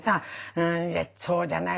うんいやそうじゃない。